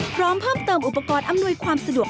พร้อมเพิ่มเติมอุปกรณ์อำนวยความสะดวก